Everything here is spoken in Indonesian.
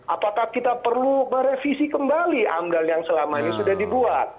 apakah kita perlu merevisi kembali amdal yang selama ini sudah dibuat